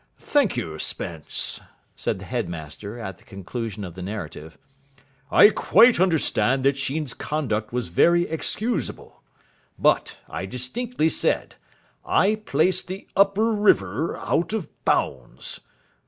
"Thank you, Spence," said the headmaster at the conclusion of the narrative. "I quite understand that Sheen's conduct was very excusable. But I distinctly said I placed the upper river out of bounds....